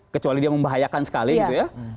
kecuali dia membahayakan sekali gitu ya